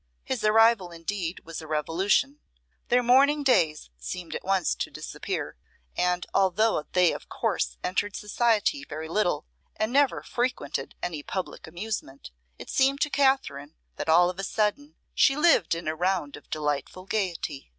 His arrival indeed, was a revolution. Their mourning days seemed at once to disappear; and although they of course entered society very little, and never frequented any public amusement, it seemed to Katherine that all of a sudden she lived in a round of delightful gaiety.